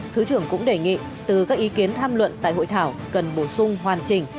thứ trưởng cũng đề nghị từ các ý kiến tham luận tại hội thảo cần bổ sung hoàn chỉnh